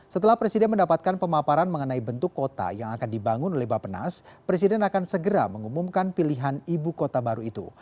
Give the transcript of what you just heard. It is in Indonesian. setelah presiden mendapatkan pemaparan mengenai bentuk kota yang akan dibangun oleh bapak nas presiden akan segera mengumumkan pilihan ibu kota baru itu